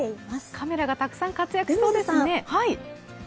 カメラがたくさん活躍しそうですね。